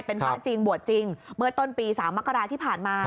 เป็นพระจริงบวชจริงเมื่อต้นปี๓มกราที่ผ่านมา